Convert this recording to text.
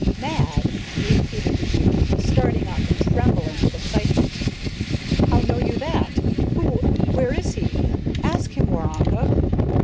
"Mad!" repeated the youth, starting up and trembling with excitement "how know you that? Who where is he? Ask him, Waroonga."